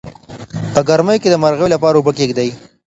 په ګرمۍ کې د مرغیو لپاره اوبه کیږدئ.